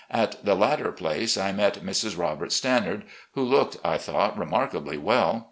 At the latter place I met Mrs. Robert Stannard, who looked, I thought, remarkably well.